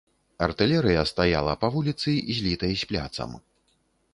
Артылерыя стаяла па вуліцы, злітай з пляцам.